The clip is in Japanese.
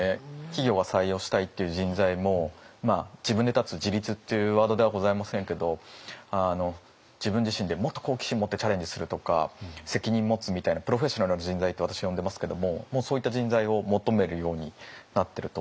企業が採用したいっていう人材も自分で立つ自立っていうワードではございませんけど自分自身でもっと好奇心持ってチャレンジするとか責任持つみたいなプロフェッショナルな人材って私は呼んでますけどもそういった人材を求めるようになってると思います。